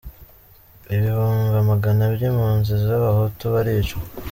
Ibihumbi amagana by’ Impunzi z’abahutu baricwa.